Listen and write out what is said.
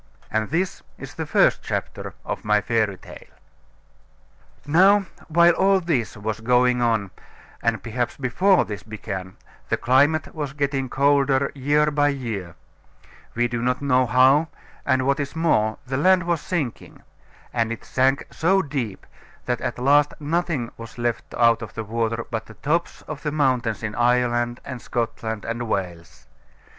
And this is the first chapter of my fairy tale. Now while all this was going on, and perhaps before this began, the climate was getting colder year by year we do not know how; and, what is more, the land was sinking; and it sank so deep that at last nothing was left out of the water but the tops of the mountains in Ireland, and Scotland, and Wales.